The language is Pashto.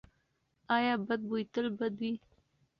ایا بد بوی تل بد دی؟